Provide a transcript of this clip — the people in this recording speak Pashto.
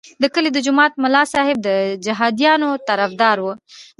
د کلي د جومات ملا صاحب د جهادیانو طرفدار وو.